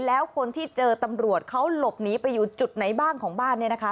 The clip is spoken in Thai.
แล้วคนที่เจอตำรวจเขาหลบหนีไปอยู่จุดไหนบ้างของบ้านเนี่ยนะคะ